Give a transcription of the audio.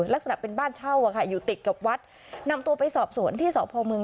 ลักษณะเป็นบ้านเช่าอะค่ะอยู่ติดกับวัดนำตัวไปสอบสวนที่สพม